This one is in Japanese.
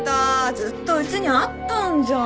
ずっとうちにあったんじゃん。